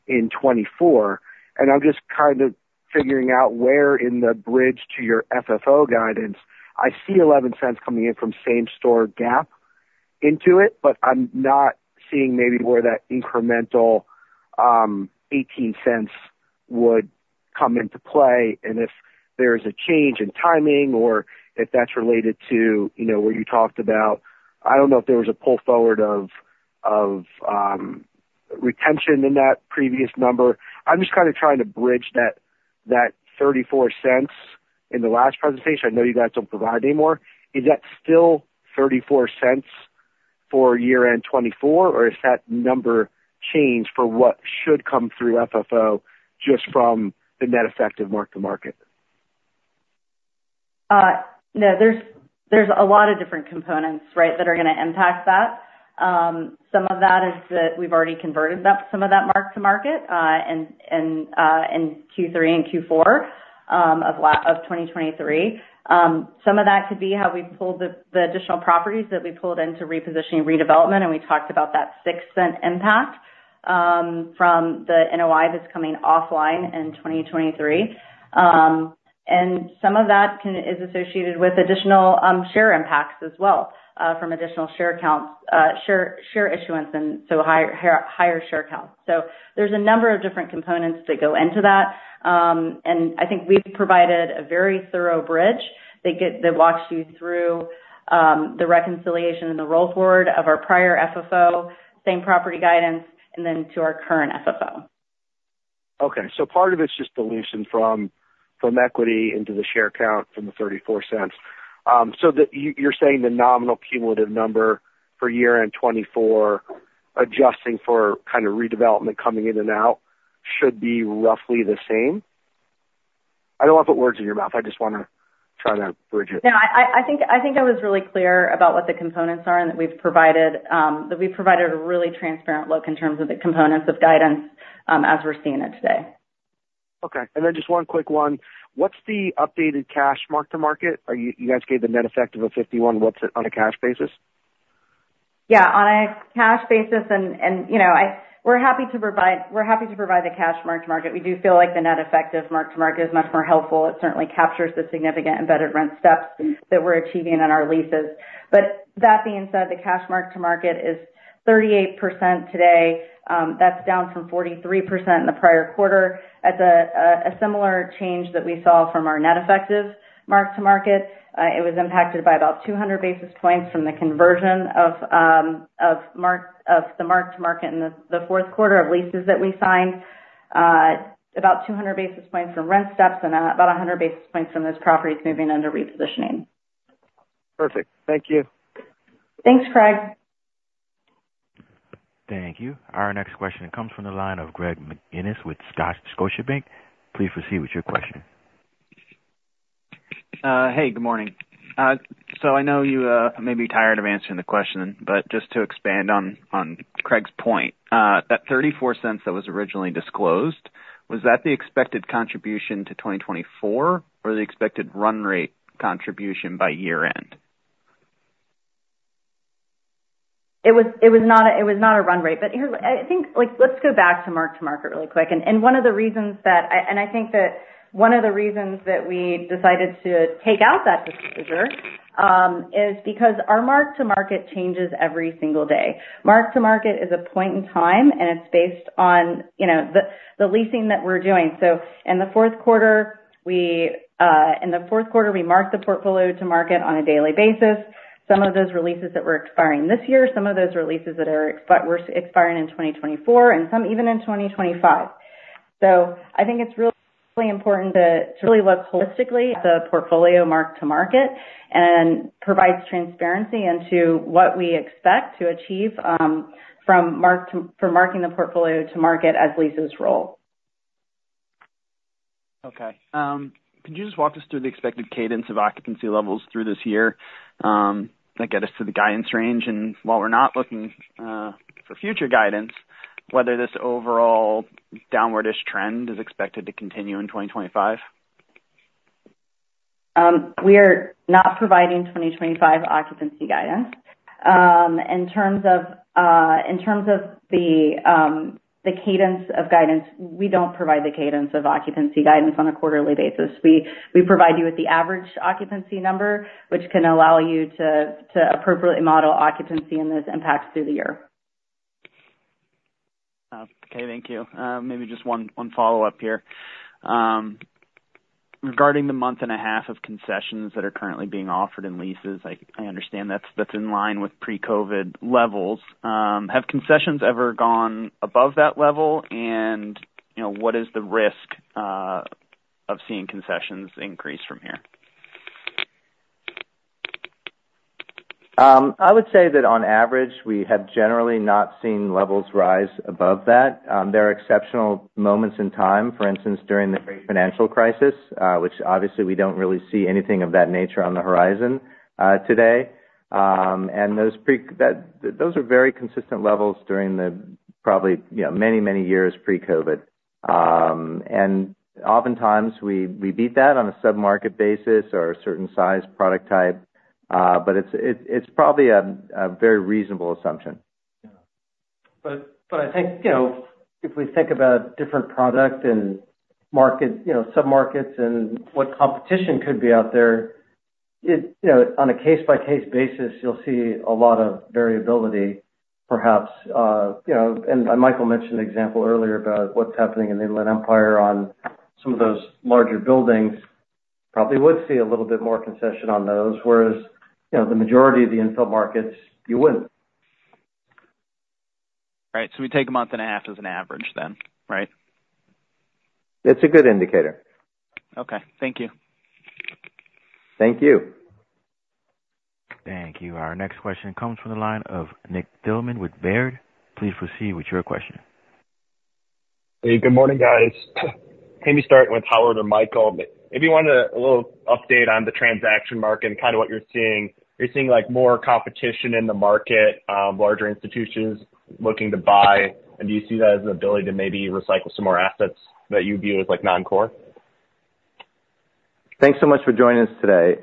in 2024. And I'm just kind of figuring out where in the bridge to your FFO guidance, I see $0.11 coming in from same store GAAP into it, but I'm not seeing maybe where that incremental eighteen cents would come into play. And if there's a change in timing or if that's related to, you know, where you talked about, I don't know if there was a pull forward of retention in that previous number. I'm just kind of trying to bridge that thirty-four cents in the last presentation. I know you guys don't provide anymore. Is that still $0.34 for year-end 2024, or has that number changed for what should come through FFO just from the net effective mark-to-market?... No, there's a lot of different components, right, that are gonna impact that. Some of that is that we've already converted that—some of that mark-to-market in Q3 and Q4 of 2023. Some of that could be how we pulled the additional properties that we pulled into repositioning and redevelopment, and we talked about that $0.06 impact from the NOI that's coming offline in 2023. And some of that is associated with additional share impacts as well from additional share counts, share issuance and so higher share count. So there's a number of different components that go into that. I think we've provided a very thorough bridge that walks you through the reconciliation and the roll forward of our prior FFO, same property guidance, and then to our current FFO. Okay, so part of it's just dilution from equity into the share count from the $0.34. So the, you're saying the nominal cumulative number for year-end 2024, adjusting for kind of redevelopment coming in and out, should be roughly the same? I don't want to put words in your mouth, I just wanna try to bridge it. No, I think I was really clear about what the components are and that we've provided a really transparent look in terms of the components of guidance, as we're seeing it today. Okay. And then just one quick one: What's the updated cash mark-to-market? Are you, you guys gave the net effect of a 51. What's it on a cash basis? Yeah, on a cash basis, you know, we're happy to provide the cash mark-to-market. We do feel like the net effect of mark-to-market is much more helpful. It certainly captures the significant embedded rent steps that we're achieving on our leases. But that being said, the cash mark-to-market is 38% today. That's down from 43% in the prior quarter. That's a similar change that we saw from our net effective mark-to-market. It was impacted by about 200 basis points from the conversion of the mark-to-market in the fourth quarter of leases that we signed. About 200 basis points from rent steps and about 100 basis points from those properties moving under repositioning. Perfect. Thank you. Thanks, Craig. Thank you. Our next question comes from the line of Greg McGinniss with Scotiabank. Please proceed with your question. Hey, good morning. So I know you may be tired of answering the question, but just to expand on Craig's point, that $0.34 that was originally disclosed, was that the expected contribution to 2024 or the expected run rate contribution by year-end? It was not a run rate. But here's. I think, like, let's go back to mark-to-market really quick. And one of the reasons that we decided to take out that disclosure is because our mark-to-market changes every single day. Mark-to-market is a point in time, and it's based on, you know, the leasing that we're doing. So in the fourth quarter, we in the fourth quarter, we marked the portfolio to market on a daily basis. Some of those leases that were expiring this year, some of those leases that were expiring in 2024, and some even in 2025. So I think it's really important to really look holistically at the portfolio mark-to-market, and provides transparency into what we expect to achieve from marking the portfolio to market as leases roll. Okay. Could you just walk us through the expected cadence of occupancy levels through this year, that get us to the guidance range? And while we're not looking for future guidance, whether this overall downward-ish trend is expected to continue in 2025? We are not providing 2025 occupancy guidance. In terms of the cadence of guidance, we don't provide the cadence of occupancy guidance on a quarterly basis. We provide you with the average occupancy number, which can allow you to appropriately model occupancy and those impacts through the year. Okay. Thank you. Maybe just one follow-up here. Regarding the month and a half of concessions that are currently being offered in leases, I understand that's in line with pre-COVID levels. Have concessions ever gone above that level? And, you know, what is the risk of seeing concessions increase from here? I would say that on average, we have generally not seen levels rise above that. There are exceptional moments in time, for instance, during the great financial crisis, which obviously we don't really see anything of that nature on the horizon, today. And those are very consistent levels during, probably, you know, many, many years pre-COVID. And oftentimes we beat that on a sub-market basis or a certain size, product type, but it's probably a very reasonable assumption. Yeah. But, but I think, you know, if we think about different product and market, you know, submarkets and what competition could be out there, it, you know, on a case-by-case basis, you'll see a lot of variability, perhaps. You know, and, and Michael mentioned an example earlier about what's happening in the Inland Empire on some of those larger buildings. Probably would see a little bit more concession on those, whereas, you know, the majority of the infill markets, you wouldn't. Right. So we take a month and a half as an average then, right? It's a good indicator. Okay. Thank you. Thank you. Thank you. Our next question comes from the line of Nick Thillman with Baird. Please proceed with your question. Hey, good morning, guys. Maybe start with Howard and Michael. Maybe you wanted a little update on the transaction market and kind of what you're seeing. Are you seeing, like, more competition in the market, larger institutions looking to buy? And do you see that as an ability to maybe recycle some more assets that you view as, like, non-core? Thanks so much for joining us today.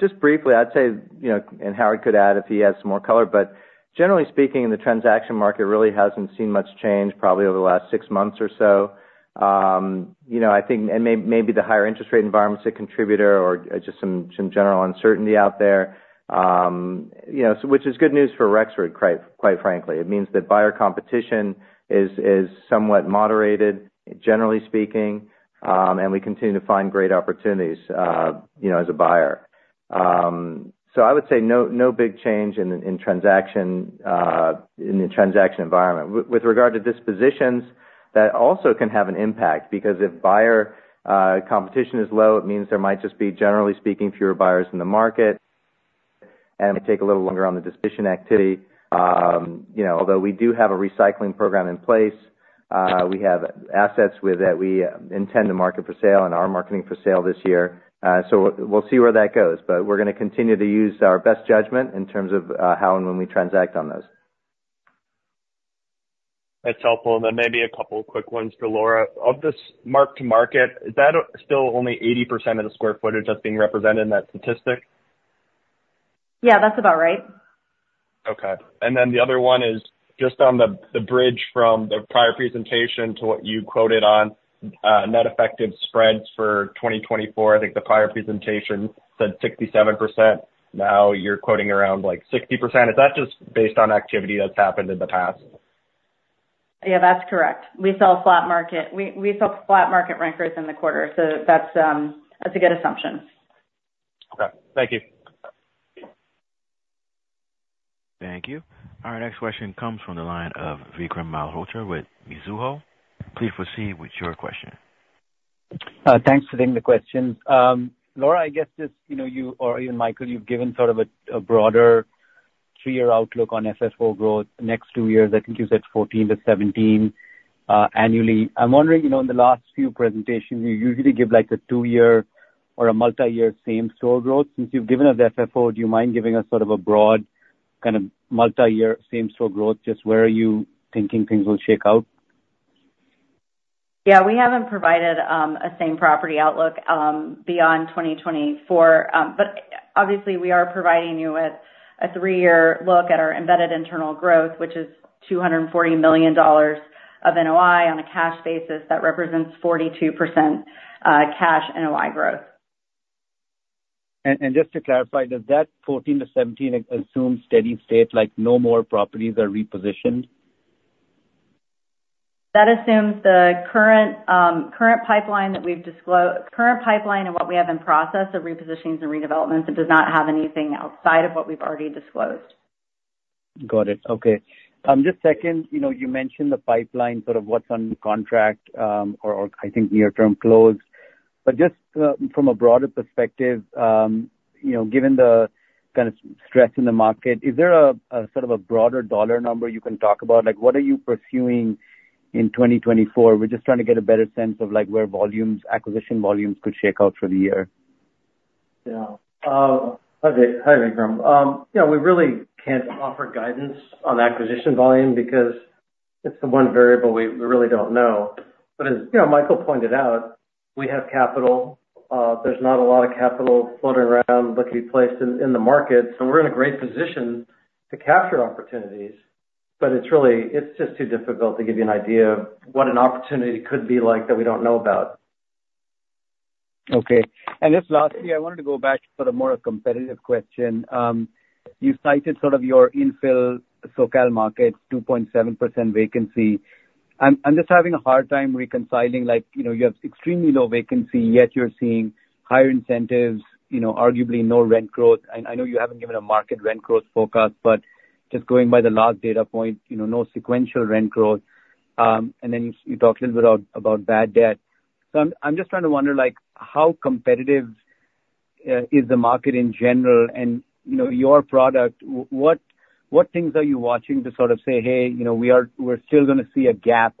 Just briefly, I'd say, you know, and Howard could add if he has some more color, but generally speaking, the transaction market really hasn't seen much change probably over the last six months or so. You know, I think and maybe the higher interest rate environment is a contributor or just some general uncertainty out there, you know, which is good news for Rexford, quite frankly. It means that buyer competition is somewhat moderated, generally speaking, and we continue to find great opportunities, you know, as a buyer. So I would say no big change in transaction, in the transaction environment. With regard to dispositions, that also can have an impact because if buyer competition is low, it means there might just be, generally speaking, fewer buyers in the market and take a little longer on the disposition activity. You know, although we do have a recycling program in place, we have assets with that we intend to market for sale and are marketing for sale this year. So we'll see where that goes, but we're going to continue to use our best judgment in terms of how and when we transact on those. That's helpful. Then maybe a couple quick ones for Laura. Of this Mark-to-Market, is that still only 80% of the square footage that's being represented in that statistic? Yeah, that's about right. Okay. And then the other one is just on the bridge from the prior presentation to what you quoted on net effective spreads for 2024. I think the prior presentation said 67%. Now you're quoting around, like, 60%. Is that just based on activity that's happened in the past? Yeah, that's correct. We saw a flat market. We saw flat market renters in the quarter, so that's, that's a good assumption. Okay. Thank you. Thank you. Our next question comes from the line of Vikram Malhotra with Mizuho. Please proceed with your question. Thanks for taking the question. Laura, I guess just, you know, you or even Michael, you've given sort of a broader three-year outlook on FFO growth. The next two years, I think you said 14 to 17 annually. I'm wondering, you know, in the last few presentations, you usually give, like, a two-year or a multi-year same-store growth. Since you've given us FFO, do you mind giving us sort of a broad, kind of, multi-year same-store growth? Just where are you thinking things will shake out? Yeah, we haven't provided a same property outlook beyond 2024. But obviously, we are providing you with a 3-year look at our embedded internal growth, which is $240 million of NOI on a cash basis that represents 42% cash NOI growth. Just to clarify, does that 14 to 17 assume steady state, like no more properties are repositioned? That assumes the current pipeline that we've disclosed and what we have in process of repositionings and redevelopments. It does not have anything outside of what we've already disclosed. Got it. Okay. Just second, you know, you mentioned the pipeline, sort of what's on contract, or I think near-term close. But just, from a broader perspective, you know, given the kind of stress in the market, is there a sort of a broader dollar number you can talk about? Like, what are you pursuing in 2024? We're just trying to get a better sense of, like, where volumes, acquisition volumes could shake out for the year. Yeah. Hi, Vikram. Yeah, we really can't offer guidance on acquisition volume because it's the one variable we, we really don't know. But as you know, Michael pointed out, we have capital. There's not a lot of capital floating around looking to be placed in the market, so we're in a great position to capture opportunities, but it's really, it's just too difficult to give you an idea of what an opportunity could be like that we don't know about. Okay. And just lastly, I wanted to go back to sort of more a competitive question. You cited sort of your infill SoCal market, 2.7% vacancy. I'm just having a hard time reconciling, like, you know, you have extremely low vacancy, yet you're seeing higher incentives, you know, arguably no rent growth. And I know you haven't given a market rent growth forecast, but just going by the last data point, you know, no sequential rent growth. And then you talked a little bit about bad debt. So I'm just trying to wonder, like, how competitive is the market in general and, you know, your product, what things are you watching to sort of say, "Hey, you know, we're still going to see a gap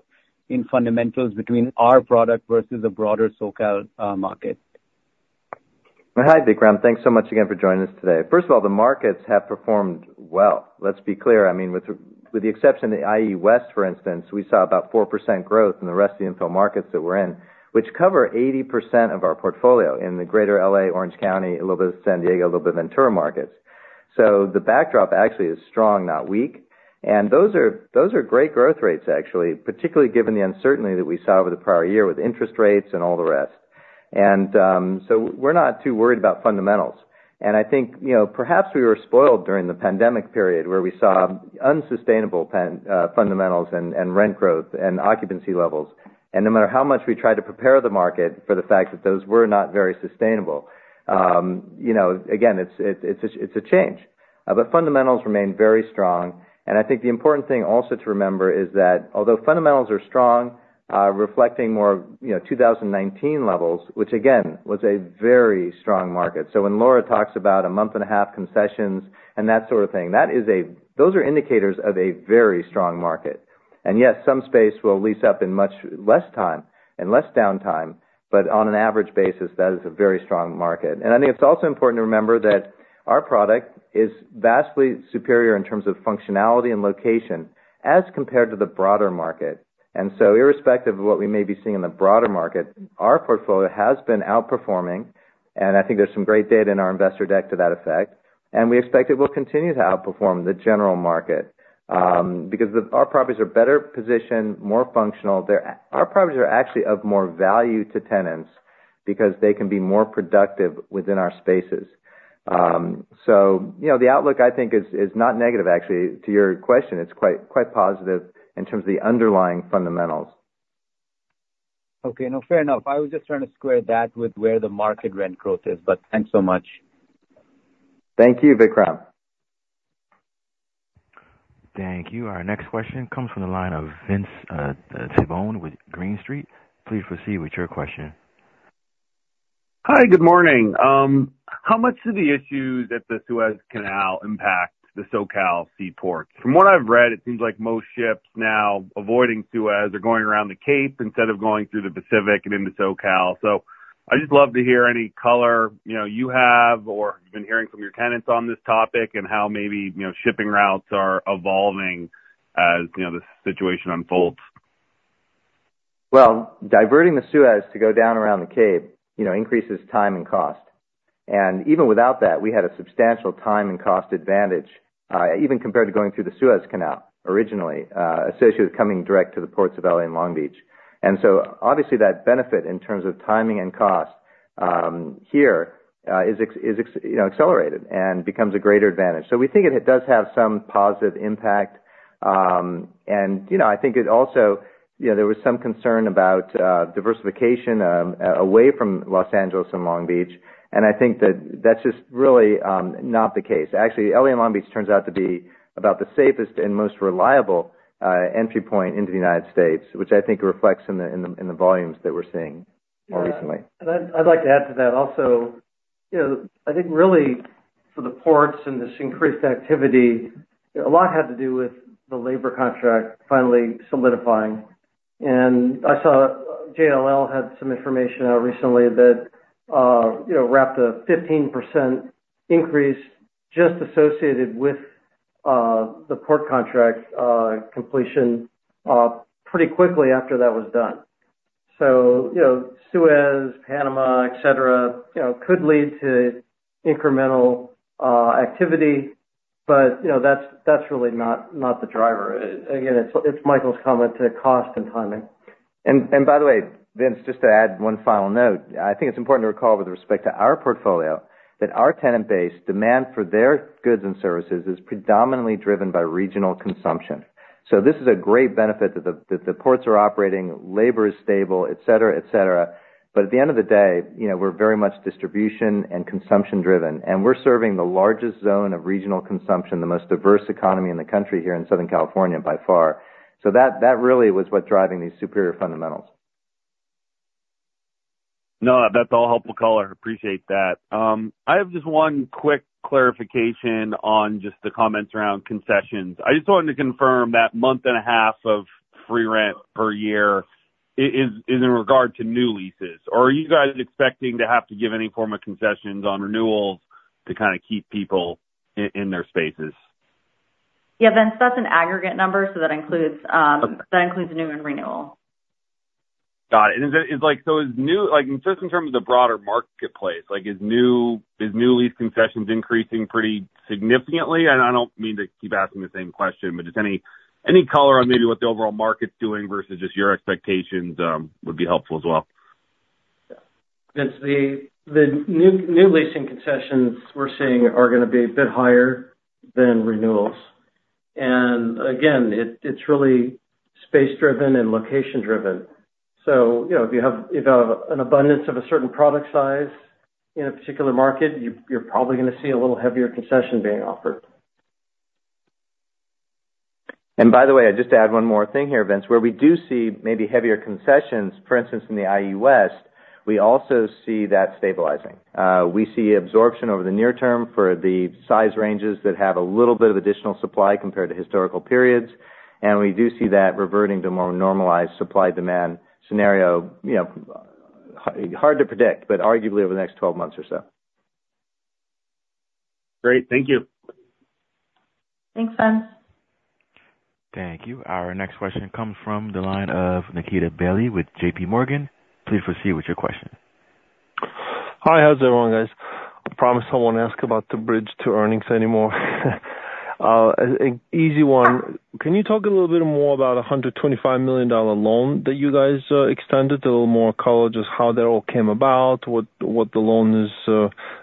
in fundamentals between our product versus the broader SoCal market? Hi, Vikram. Thanks so much again for joining us today. First of all, the markets have performed well. Let's be clear, I mean, with the exception of the IE West, for instance, we saw about 4% growth in the rest of the infill markets that we're in, which cover 80% of our portfolio in the Greater LA, Orange County, a little bit of San Diego, a little bit of Ventura markets. So the backdrop actually is strong, not weak. And those are great growth rates, actually, particularly given the uncertainty that we saw over the prior year with interest rates and all the rest. And so we're not too worried about fundamentals. And I think, you know, perhaps we were spoiled during the pandemic period, where we saw unsustainable fundamentals and rent growth and occupancy levels. No matter how much we tried to prepare the market for the fact that those were not very sustainable, you know, again, it's a change. But fundamentals remain very strong, and I think the important thing also to remember is that although fundamentals are strong, reflecting more, you know, 2019 levels, which again, was a very strong market. So when Laura talks about a month and a half concessions and that sort of thing, those are indicators of a very strong market. And yes, some space will lease up in much less time and less downtime, but on an average basis, that is a very strong market. And I think it's also important to remember that our product is vastly superior in terms of functionality and location, as compared to the broader market. So irrespective of what we may be seeing in the broader market, our portfolio has been outperforming, and I think there's some great data in our investor deck to that effect. And we expect it will continue to outperform the general market, because our properties are better positioned, more functional. Our properties are actually of more value to tenants because they can be more productive within our spaces. So, you know, the outlook, I think, is not negative, actually, to your question. It's quite, quite positive in terms of the underlying fundamentals. Okay. No, fair enough. I was just trying to square that with where the market rent growth is. But thanks so much. Thank you, Vikram. Thank you. Our next question comes from the line of Vince Tibone with Green Street. Please proceed with your question. Hi, good morning. How much do the issues at the Suez Canal impact the SoCal seaport? From what I've read, it seems like most ships now avoiding Suez are going around the Cape instead of going through the Pacific and into SoCal. So I'd just love to hear any color, you know, you have or you've been hearing from your tenants on this topic, and how maybe, you know, shipping routes are evolving as, you know, the situation unfolds. Well, diverting the Suez to go down around the Cape, you know, increases time and cost. And even without that, we had a substantial time and cost advantage, even compared to going through the Suez Canal originally, associated with coming direct to the ports of L.A. and Long Beach. And so obviously, that benefit in terms of timing and cost, here, is, you know, accelerated and becomes a greater advantage. So we think it does have some positive impact. And, you know, I think it also... You know, there was some concern about diversification, away from Los Angeles and Long Beach, and I think that that's just really, not the case. Actually, LA and Long Beach turns out to be about the safest and most reliable entry point into the United States, which I think reflects in the volumes that we're seeing more recently. Yeah, and I'd like to add to that also. You know, I think really for the ports and this increased activity, a lot had to do with the labor contract finally solidifying. And I saw JLL had some information out recently that, you know, wrapped a 15% increase just associated with the port contract completion pretty quickly after that was done. So, you know, Suez, Panama, et cetera, you know, could lead to incremental activity, but, you know, that's really not the driver. Again, it's Michael's comment to cost and timing. And by the way, Vince, just to add one final note. I think it's important to recall, with respect to our portfolio, that our tenant base demand for their goods and services is predominantly driven by regional consumption. So this is a great benefit that the ports are operating, labor is stable, et cetera, et cetera. But at the end of the day, you know, we're very much distribution and consumption-driven, and we're serving the largest zone of regional consumption, the most diverse economy in the country here in Southern California, by far. So that really was what's driving these superior fundamentals. No, that's all helpful color. Appreciate that. I have just one quick clarification on just the comments around concessions. I just wanted to confirm that month and a half of free rent per year is in regard to new leases, or are you guys expecting to have to give any form of concessions on renewals to kind of keep people in their spaces? Yeah, Vince, that's an aggregate number, so that includes, that includes new and renewal. Got it. And is it like, so is new lease concessions increasing pretty significantly? And I don't mean to keep asking the same question, but just any color on maybe what the overall market's doing versus just your expectations, would be helpful as well. Vince, the new leasing concessions we're seeing are gonna be a bit higher than renewals. And again, it's really space driven and location driven. So, you know, if you have an abundance of a certain product size in a particular market, you're probably gonna see a little heavier concession being offered. And by the way, I'd just add one more thing here, Vince. Where we do see maybe heavier concessions, for instance, in the IE West, we also see that stabilizing. We see absorption over the near term for the size ranges that have a little bit of additional supply compared to historical periods, and we do see that reverting to a more normalized supply-demand scenario, you know, hard to predict, but arguably over the next 12 months or so. Great. Thank you. Thanks, Vince. Thank you. Our next question comes from the line of Nikita Bely with JPMorgan. Please proceed with your question. Hi, how's everyone, guys? I promise I won't ask about the bridge to earnings anymore. ... An easy one. Can you talk a little bit more about a $125 million loan that you guys extended? A little more color, just how that all came about, what the loan is.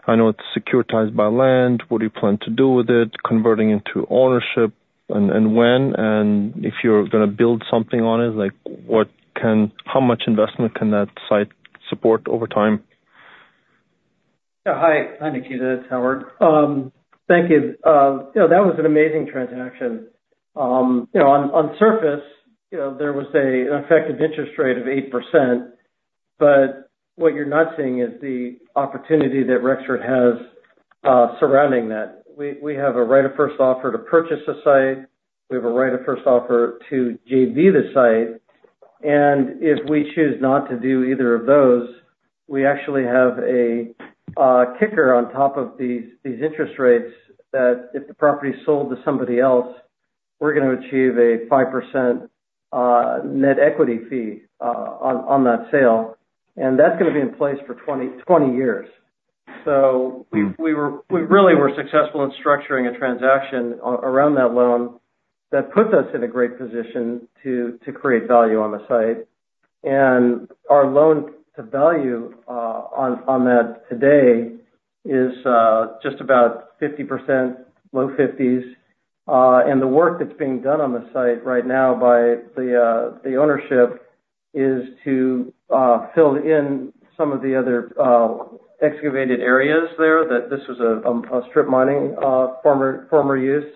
I know it's securitized by land. What do you plan to do with it, converting into ownership, and when? And if you're gonna build something on it, like, what can, how much investment can that site support over time? Yeah. Hi. Hi, Nikita, it's Howard. Thank you. You know, that was an amazing transaction. You know, on surface, you know, there was an effective interest rate of 8%, but what you're not seeing is the opportunity that Rexford has surrounding that. We have a right of first offer to purchase the site, we have a right of first offer to JV the site, and if we choose not to do either of those, we actually have a kicker on top of these interest rates, that if the property is sold to somebody else, we're gonna achieve a 5% net equity fee on that sale, and that's gonna be in place for 20, 20 years. So we were successful in structuring a transaction around that loan that puts us in a great position to create value on the site. And our loan to value on that today is just about 50%, low 50s. And the work that's being done on the site right now by the ownership is to fill in some of the other excavated areas there, that this was a strip mining former use.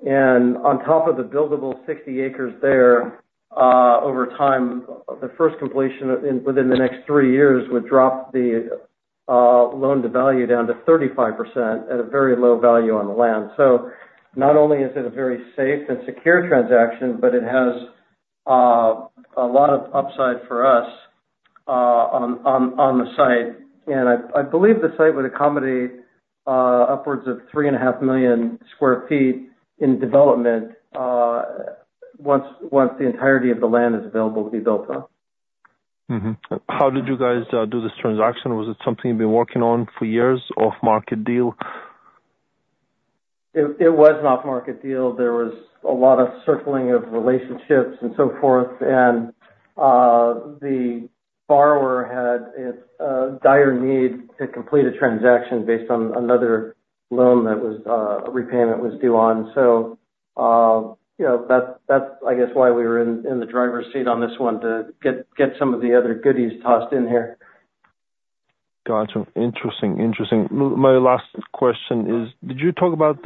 And on top of the buildable 60 acres there, over time, the first completion within the next 3 years would drop the loan to value down to 35% at a very low value on the land. So not only is it a very safe and secure transaction, but it has a lot of upside for us on the site. And I believe the site would accommodate upwards of 3.5 million sq ft in development once the entirety of the land is available to be built on. Mm-hmm. How did you guys do this transaction? Was it something you've been working on for years, off market deal? It was an off market deal. There was a lot of circling of relationships and so forth. And, the borrower had its dire need to complete a transaction based on another loan that was a repayment was due on. So, you know, that's, I guess, why we were in the driver's seat on this one, to get some of the other goodies tossed in here. Got you. Interesting, interesting. My last question is, did you talk about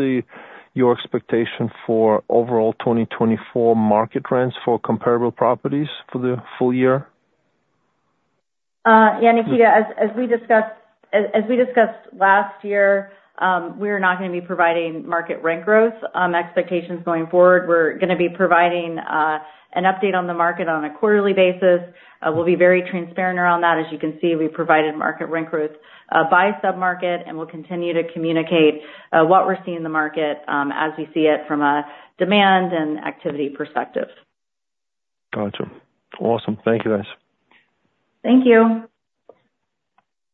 your expectation for overall 2024 market rents for comparable properties for the full year? Yeah, Nikita, as we discussed last year, we are not gonna be providing market rent growth expectations going forward. We're gonna be providing an update on the market on a quarterly basis. We'll be very transparent around that. As you can see, we provided market rent growth by sub-market, and we'll continue to communicate what we're seeing in the market as we see it from a demand and activity perspective. Got you. Awesome. Thank you, guys. Thank you.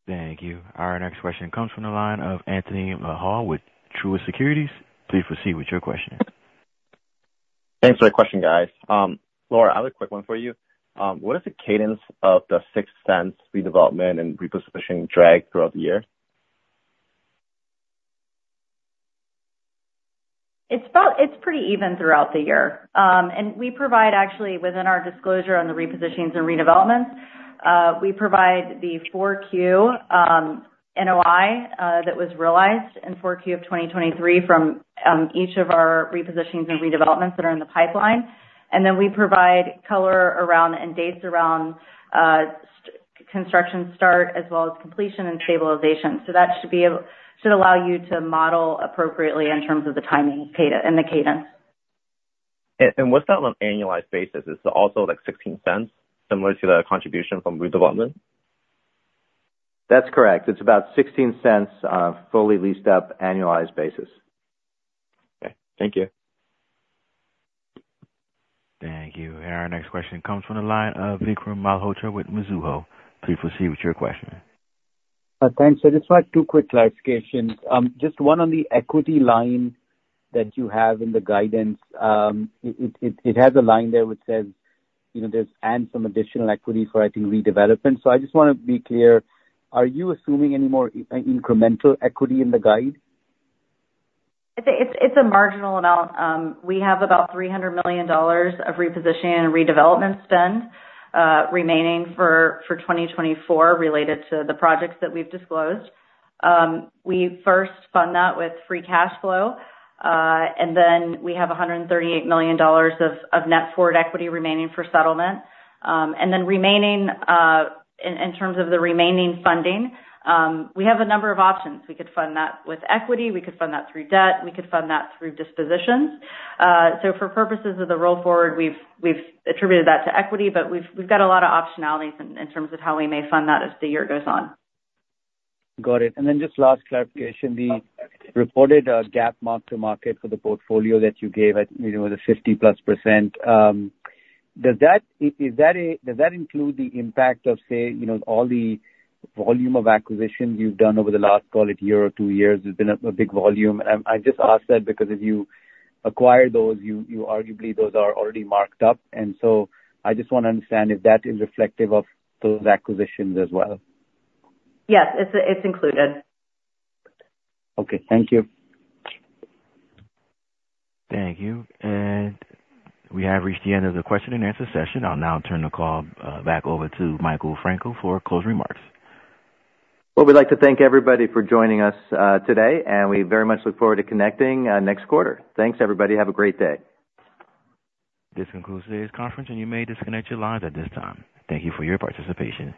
Thank you. Our next question comes from the line of Anthony Mahal with Truist Securities. Please proceed with your question. Thanks for the question, guys. Laura, I have a quick one for you. What is the cadence of the sixth cent redevelopment and repositioning drag throughout the year? It's about... It's pretty even throughout the year. And we provide actually, within our disclosure on the repositions and redevelopments, we provide the Q4 NOI that was realized in Q4 of 2023 from each of our repositions and redevelopments that are in the pipeline. And then we provide color around and dates around construction start, as well as completion and stabilization. So that should allow you to model appropriately in terms of the timing and the cadence. What's that on an annualized basis? It's also, like, $0.16, similar to the contribution from redevelopment? That's correct. It's about $0.16, fully leased up, annualized basis. Okay. Thank you. Thank you. And our next question comes from the line of Vikram Malhotra with Mizuho. Please proceed with your question. Thanks. So just like two quick clarifications. Just one on the equity line that you have in the guidance. It has a line there which says, you know, there's and some additional equity for, I think, redevelopment. So I just want to be clear, are you assuming any more incremental equity in the guide? It's a marginal amount. We have about $300 million of reposition and redevelopment spend remaining for 2024, related to the projects that we've disclosed. We first fund that with free cash flow, and then we have $138 million of net forward equity remaining for settlement. And then remaining in terms of the remaining funding, we have a number of options. We could fund that with equity, we could fund that through debt, we could fund that through dispositions. So for purposes of the roll forward, we've attributed that to equity, but we've got a lot of optionalities in terms of how we may fund that as the year goes on. Got it. And then just last clarification, the reported GAAP mark-to-market for the portfolio that you gave at, you know, the 50%+, does that include the impact of, say, you know, all the volume of acquisitions you've done over the last, call it, year or two years? It's been a big volume. And I just asked that because if you acquire those, you arguably, those are already marked up. And so I just want to understand if that is reflective of those acquisitions as well. Yes, it's included. Okay. Thank you. Thank you. We have reached the end of the question and answer session. I'll now turn the call, back over to Michael Frankel for closing remarks. Well, we'd like to thank everybody for joining us, today, and we very much look forward to connecting, next quarter. Thanks, everybody. Have a great day. This concludes today's conference, and you may disconnect your lines at this time. Thank you for your participation.